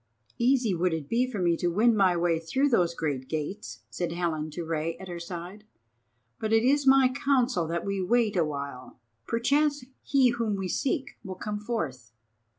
"Easy would it be for me to win my way through those great gates," said the Helen to Rei at her side, "but it is my counsel that we wait awhile. Perchance he whom we seek will come forth."